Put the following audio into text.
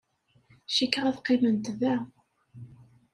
Cikkeɣ ad qqiment da.